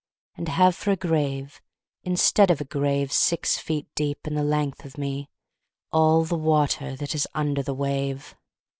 And have for a grave, instead of a grave Six feet deep and the length of me, All the water that is under the wave!